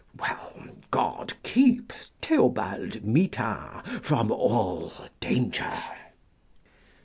Well, God keep Theobald Mitain from all danger!